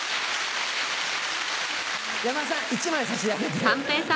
山田さん１枚差し上げて。